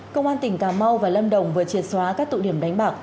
công an tỉnh cà mau và lâm đồng vừa triệt xóa các tụ điểm đánh bạc